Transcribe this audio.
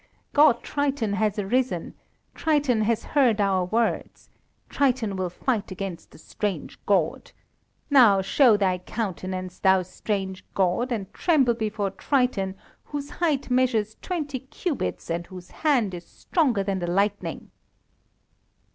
God Triton has arisen! Triton has heard our words. Triton will fight against the strange God. Now, show thy countenance, thou strange God, and tremble before Triton, whose height measures twenty cubits, and whose hand is stronger than the lightning."